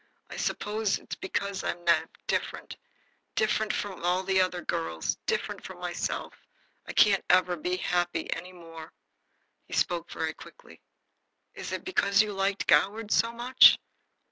"I suppose it's because I'm different now, different from the other girls, different from myself. I can't ever be happy any more." He spoke, very quickly. "Is it because you liked Goward so much?"